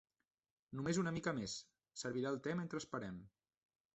Només una mica més; serviré el te mentre esperem.